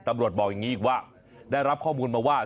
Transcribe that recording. บอกอย่างนี้อีกว่าได้รับข้อมูลมาว่า